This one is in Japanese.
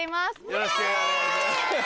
よろしくお願いします。